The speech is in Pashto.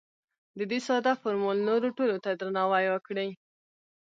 د دې ساده فورمول نورو ټولو ته درناوی وکړئ.